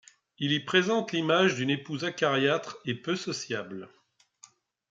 Il y présente l'image d’une épouse acariâtre et peu sociable.